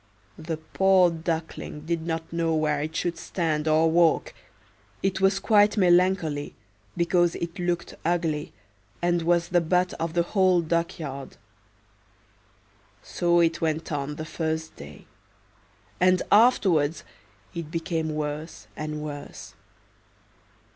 The poor Duckling did not know where it should stand or walk; it was quite melancholy because it looked ugly, and was the butt of the whole duck yard. So it went on the first day; and afterwards it became worse and worse.